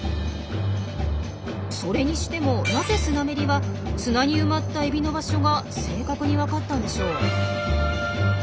それにしてもなぜスナメリは砂に埋まったエビの場所が正確にわかったんでしょう？